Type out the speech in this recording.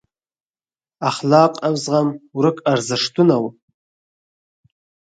اخلاق او زغم ورک ارزښتونه وو.